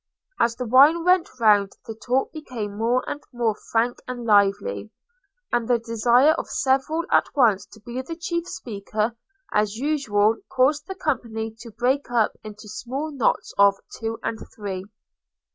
As the wine went round the talk became more and more frank and lively, and the desire of several at once to be the chief speaker, as usual caused the company to break up into small knots of two and three.